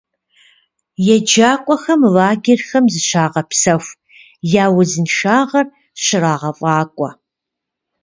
ЕджакӀуэхэм лагерхэм зыщагъэпсэху, я узыншагъэр щрагъэфӀакӀуэ.